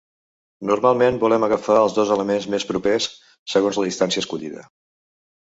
Normalment volem agafar els dos elements més propers, segons la distància escollida.